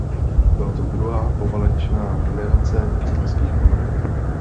Byla to druhá poválečná generace italských ponorek.